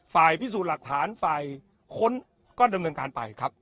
ฝ่ายพิสูจน์หลักฐานฝ่ายค้นก็ดำเนินการไปครับ